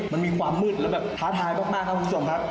มันมีความมืดแล้วแบบท้าทายมากครับคุณผู้ชมครับ